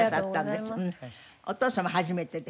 お父様初めてで。